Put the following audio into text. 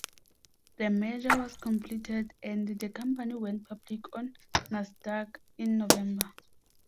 The merger was completed and the company went public on Nasdaq in November.